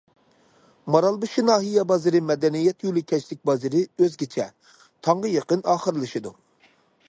مارالبېشى ناھىيە بازىرى مەدەنىيەت يولى كەچلىك بازىرى ئۆزگىچە، تاڭغا يېقىن ئاخىرلىشىدۇ.